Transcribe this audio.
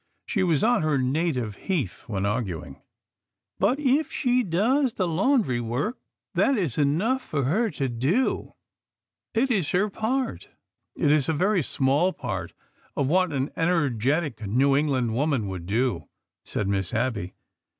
She was on her native heath when arguing. " But if she does the laundry work, that is enough for her to do. It is her part." 'Mt is a very small part of what an energetic New Eng land woman would do," said Miss Abby.